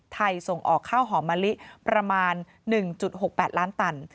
ส่งออกข้าวหอมมะลิประมาณ๑๖๘ล้านตัน